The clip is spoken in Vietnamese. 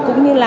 cũng như là